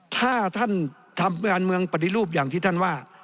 ถ้าท่านทำการเมืองปฏิรูปอย่างที่ท่านว่า